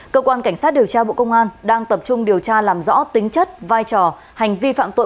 cơ quan cảnh sát điều tra bộ công an đang tập trung điều tra làm rõ tính chất vai trò hành vi phạm tội